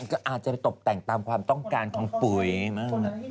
ก็อาจจะไปตกแต่งตามความต้องการของปุ๋ยมั่ง